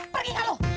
pergi gak lu